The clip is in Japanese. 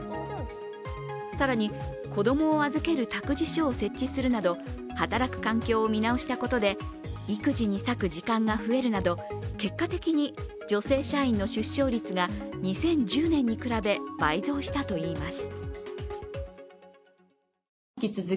更に、子供を預ける託児所を設置するなど働く環境を見直したことで育児に割く時間が増えるなど結果的に女性社員の出生率が２０１０年に比べ倍増したといいます。